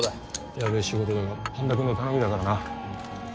やべぇ仕事だが般田君の頼みだからな。